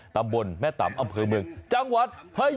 ตำบลแม่ตำอำเภอเมืองจังหวัดพยาว